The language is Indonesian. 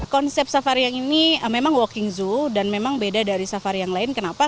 konsep safari yang ini memang walking zoo dan memang beda dari safari yang lain kenapa